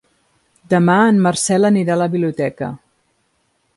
Demà en Marcel anirà a la biblioteca.